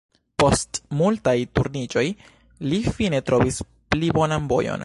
Post multaj turniĝoj li fine trovis pli bonan vojon.